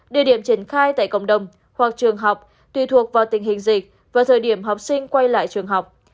địa điểm triển khai tại cộng đồng hoặc trường học tùy thuộc vào tình hình dịch và thời điểm học sinh quay lại trường học